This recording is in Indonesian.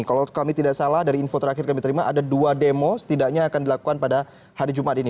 kalau kami tidak salah dari info terakhir kami terima ada dua demo setidaknya akan dilakukan pada hari jumat ini